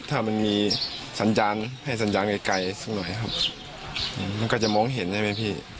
ถ้ามันมีสัญญาณให้สัญญาณไกลสักหน่อยครับมันก็จะมองเห็นใช่ไหมพี่